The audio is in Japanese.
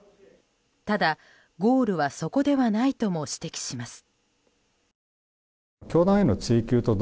ただ、ゴールはそこではないとも指摘します。